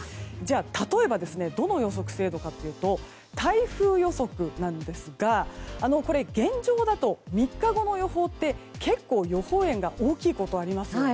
例えば、どの予測精度かというと台風予測なんですがこれは現状だと３日後の予報って結構、予報円が大きいことがありますよね。